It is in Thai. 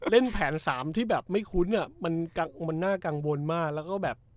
ถามที่ไม่คุ้นอะมันน่ากังวลมาก